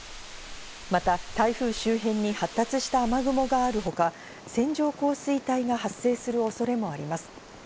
また台風周辺に発達した雨雲があるほか、線状降水帯が発生する恐れもあります。